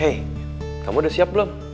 eh kamu udah siap belum